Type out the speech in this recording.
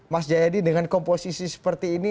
mas jayadi dengan komposisi seperti ini